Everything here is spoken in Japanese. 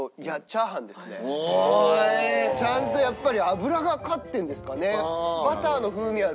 ちゃんとやっぱり油が勝ってるんですかね。